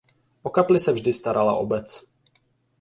O kapli se vždy starala obec.